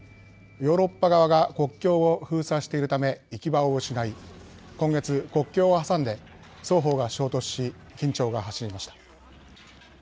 ヨーロッパ側が国境を封鎖しているため行き場を失い今月、国境を挟んで双方が衝突し緊張が走りました。